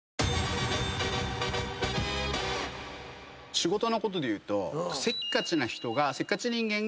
仕事のことでいうと。